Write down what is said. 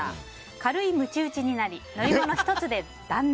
軽いむち打ちになり１つで断念。